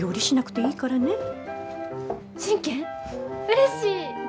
うれしい。